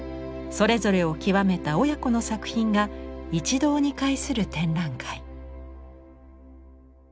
それぞれを極めた親子の作品が一堂に会する展覧会。